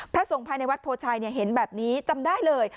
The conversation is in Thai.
ส่งภายในวัดโพชัยเห็นแบบนี้จำได้เลย